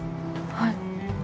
はい。